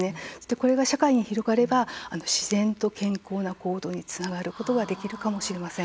これが社会に広まれば自然と健康な行動につながるかもしれません。